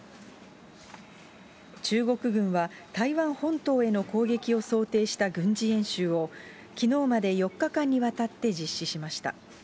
中国軍は、台湾本島への攻撃を想定した軍事演習を、きのうまで４日間にわたって実施しました。